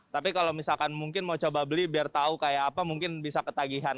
tapi kalau misalkan mungkin mau coba beli biar tahu kayak apa mungkin bisa ketagihan